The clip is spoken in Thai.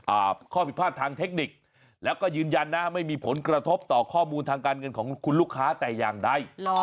อ่าข้อผิดพลาดทางเทคนิคแล้วก็ยืนยันนะไม่มีผลกระทบต่อข้อมูลทางการเงินของคุณลูกค้าแต่อย่างใด